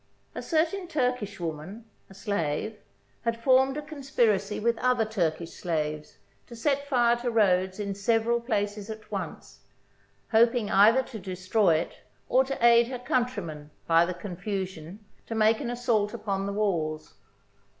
A certain Turkish woman, a slave, had formed a conspiracy with other Turkish slaves to set fire to Rhodes in several places at once, hoping either to destroy it or to aid her countrymen, by the confusion, to make an assault upon the walls.